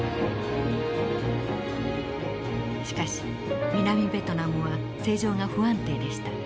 しかし南ベトナムは政情が不安定でした。